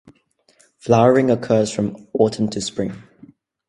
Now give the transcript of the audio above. Flowering occurs from autumn to spring.